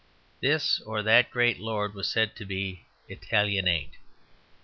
This or that great lord was said to be "Italianate."